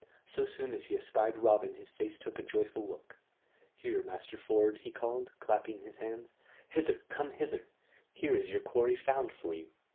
So soon as he espied Robin his face took a joyful look. "Here, Master Ford," he called, clapping his hands. "Hither come hither! Here is your quarry found for you.